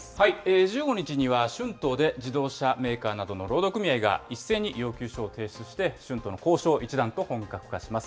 １５日には、春闘で自動車メーカーなどの労働組合が一斉に要求書を提出して、春闘の交渉、一段と本格化します。